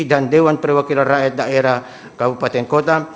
dan dewan perwakilan rakyat daerah kabupaten kota